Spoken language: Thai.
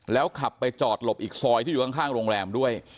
แล้วขับไปจอดหลบอีกซอยที่อยู่ข้างโรงแรมด้วย